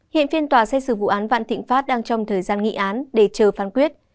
hiện phiên tòa xét xử vụ án vạn thịnh pháp đang trong thời gian nghị án để chờ phán quyết